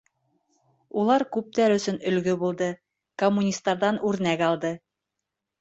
Улар күптәр өсөн өлгө булды, коммунистарҙан үрнәк алды.